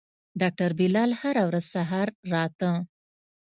ډاکتر بلال هره ورځ سهار راته.